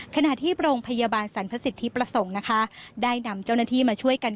ขณะที่โรงพยาบาลสรรพสิทธิประสงค์นะคะได้นำเจ้าหน้าที่มาช่วยกัน